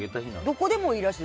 どこでもいいらしい。